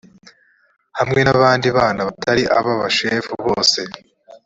hamwe n abandi bana batari aba bashefu bose